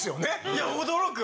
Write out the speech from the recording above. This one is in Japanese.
いや驚く！